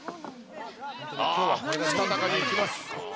ああ、したたかにいきます。